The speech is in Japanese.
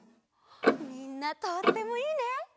みんなとってもいいね。